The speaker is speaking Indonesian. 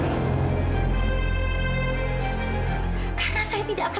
karena saya tidak akan membiarkan satu orang pun menghina kamila lagi mbak